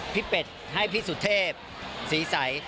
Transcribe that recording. พี่เป็ดให้พี่สุทธิพย์สีใส